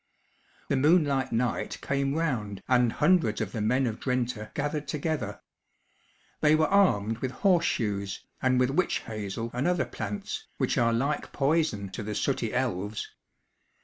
The moonlight night came round and hundreds of the men of Drenthe gathered together. They were armed with horseshoes, and with witch hazel and other plants, which are like poison to the sooty elves.